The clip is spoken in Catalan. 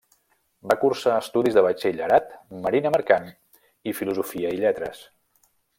Va cursar estudis de batxillerat, marina mercant i filosofia i lletres.